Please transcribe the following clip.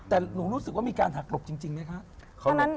แต่หนูรู้สึกว่ามีการหักหลบจริงไหมคะ